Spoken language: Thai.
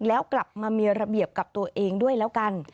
แล้วกลับมามีระเบียบกับตัวเองด้วยแล้วกัน